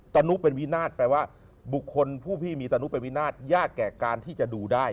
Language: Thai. ตนุเป็นวินาศแปลว่าบุคคลผู้พี่มีตนุเป็นวินาทยากแก่การที่จะดูได้